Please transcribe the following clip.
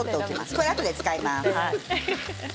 これは、あとで使います。